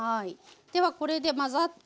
ではこれで混ざって。